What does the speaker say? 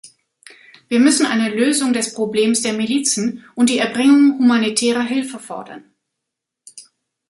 Wir müssen eine Lösung des Problems der Milizen und die Erbringung humanitärer Hilfe fordern.